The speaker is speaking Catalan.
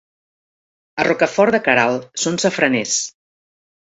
A Rocafort de Queralt són safraners.